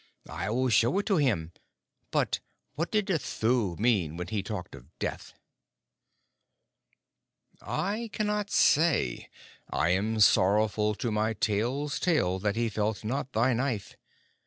"I will show it to him; but what did the Thuu mean when he talked of death?" "I cannot say. I am sorrowful to my tail's tail that he felt not thy knife.